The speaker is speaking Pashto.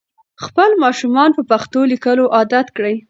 خپل ماشومان په پښتو لیکلو عادت کړئ.